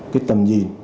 cái tầm nhìn